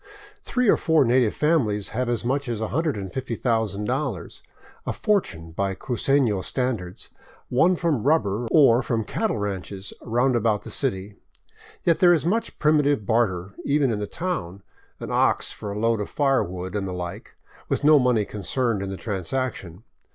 Three or four native families have as much as $150,000, a fortune by cruceno standards, won from rubber, or from cattle ranches roundabout the city. Yet there is much primitive barter, even in the town, — an ox for a load of firewood, and the like, with no money concerned in the transaction.